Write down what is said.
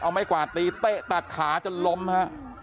เอาไม้กวาดตีเตะตัดขาจนล้มฮะ